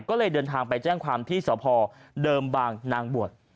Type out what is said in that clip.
ก็เลยเดินทางไปแจ้งความที่สพเดิมบางนางบวช